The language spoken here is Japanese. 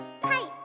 はい！